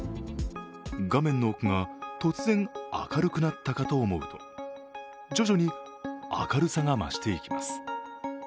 画面の奥が突然、明るくなったかと思うと徐々に明るさが増していきます。